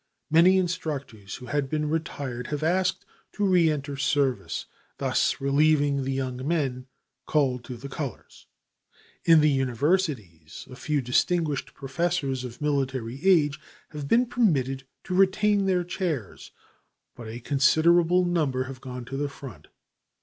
Many instructors who had been retired have asked to re enter service, thus relieving the young men called to the colors. In the universities a few distinguished professors of military age have been permitted to retain their chairs, but a considerable number have gone to the front.